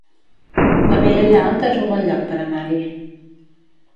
La Vilella Alta es un bon lloc per anar-hi